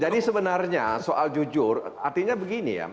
jadi sebenarnya soal jujur artinya begini ya